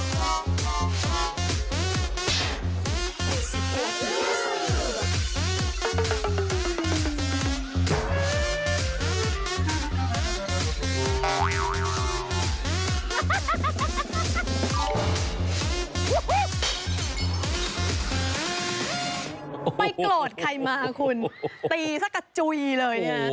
ไปโกรธใครมาคุณตีสักกระจุยเลยนะ